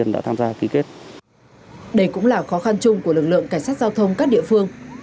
đây cũng là khó khăn chung của lực lượng cảnh sát giao thông các địa phương